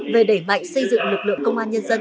về đẩy mạnh xây dựng lực lượng công an nhân dân